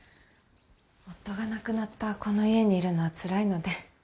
夫が亡くなったこの家にいるのはつらいので。